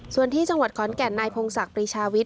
ส่วนที่จังหวัดขอนแก่นนายพงศักดิ์ปรีชาวิทย